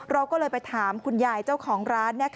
เราก็เลยไปถามคุณยายเจ้าของร้าน